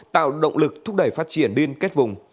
tạo động lực thúc đẩy phát triển liên kết vùng